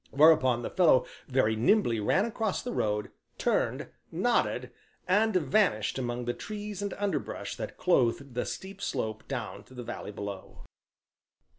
Hereupon the fellow very nimbly ran across the road, turned, nodded, and vanished among the trees and underbrush that clothed the steep slope down to the valley below.